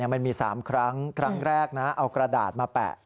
มันมี๓ครั้งครั้งแรกนะเอากระดาษมาแปะ